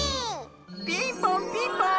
ピンポンピンポーン！